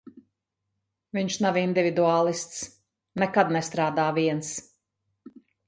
Viņš nav individuālists, nekad nestrādā viens.